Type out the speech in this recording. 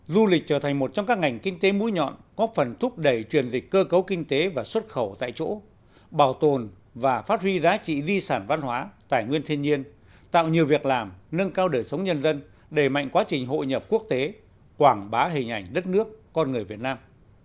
du lịch trở thành một trong các ngành kinh tế mũi nhọn góp phần thúc đẩy truyền dịch cơ cấu kinh tế và xuất khẩu tại chỗ bảo tồn và phát huy giá trị di sản văn hóa tài nguyên thiên nhiên tạo nhiều việc làm nâng cao đời sống nhân dân đẩy mạnh quá trình hội nhập quốc tế quảng bá hình ảnh đất nước con người việt nam